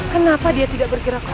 kenapa dia tidak bergerak